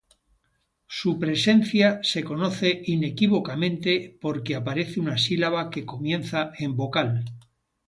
Su presencia se conoce inequívocamente porque aparece una sílaba que comienza en vocal.